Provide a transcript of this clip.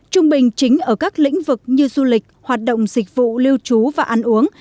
trung bình chính ở các lĩnh vực như du lịch hoạt động dịch vụ lưu trú và ăn uống